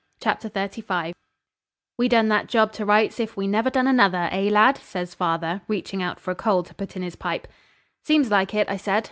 Chapter 35 'We done that job to rights if we never done another, eh, lad?' says father, reaching out for a coal to put in his pipe. 'Seems like it,' I said.